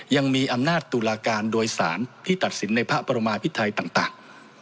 ยังมีอำนาจตุลาการโดยสารที่ตัดสินในพระปรมาพิไทยต่าง